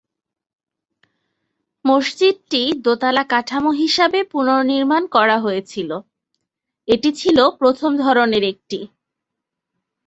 মসজিদটি দোতলা কাঠামো হিসাবে পুনর্নির্মাণ করা হয়েছিল, এটি ছিল প্রথম ধরনের একটি।